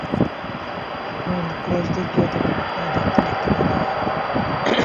কুরাইশদের কেউ তাকে দেখতে পায় নি।